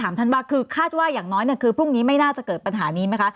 ถามท่านป่ะคือคาดว่าอย่างน้อยใหม่น่าจะเกิดปัญหานี้ไหมคะ